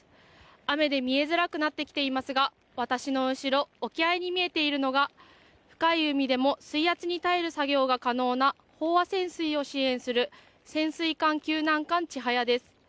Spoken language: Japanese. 雨で見えづらくなってきていますが私の後ろ、沖合に見えているのが深い海でも水圧に耐える作業が可能な飽和潜水を支援する潜水艦救難艦「ちはや」です。